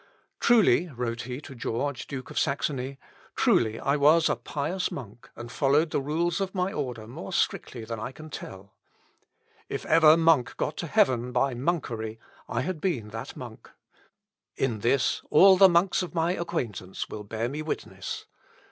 "Truly," wrote he to George, Duke of Saxony, "truly I was a pious monk, and followed the rules of my order more strictly than I can tell. If ever monk had got to heaven by monkery, I had been that monk. In this all the monks of my acquaintance will bear me witness.